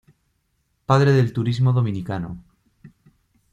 Padre del turismo dominicano.